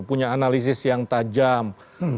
punya analisis yang tajam itu juga berbeda gitu